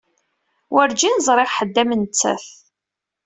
Werǧin ẓriɣ ḥedd am nettat.